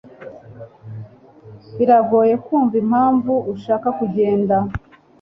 Biragoye kumva impamvu ushaka kugenda.